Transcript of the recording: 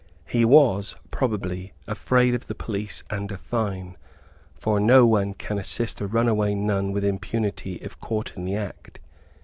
He was, probably, afraid of the police and a fine, for no one can assist a run away nun with impunity, if caught in the act.